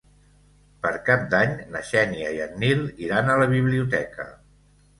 Per Cap d'Any na Xènia i en Nil iran a la biblioteca.